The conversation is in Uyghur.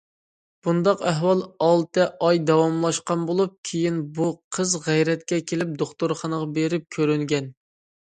بۇنداق ئەھۋال ئالتە ئاي داۋاملاشقان بولۇپ، كېيىن بۇ قىز غەيرەتكە كېلىپ دوختۇرخانىغا بېرىپ كۆرۈنگەن.